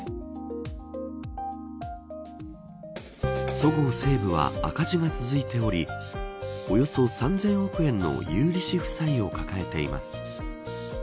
そごう・西武は赤字が続いておりおよそ３０００億円の有利子負債を抱えています。